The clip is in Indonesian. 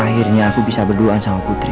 akhirnya aku bisa berdoa sama putri